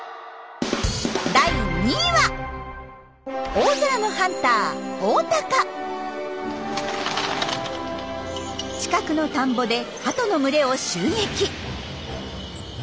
大空のハンター近くの田んぼでハトの群れを襲撃。